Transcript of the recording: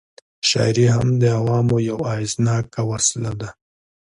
شاعري هم د عوامو یوه اغېزناکه وسله وه.